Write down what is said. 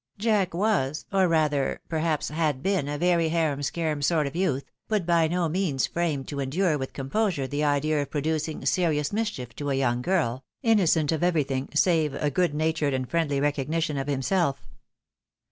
" Jack" was, or rather, perhaps, had been, a very harem Bcarem sort of youth, but by no means framed to endure with composure the idea of producing serious mischief to a young girl, innocent of everything save a good natured and friendly recog nition of himself.